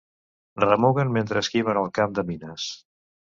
Remuguen mentre esquiven el camp de mines.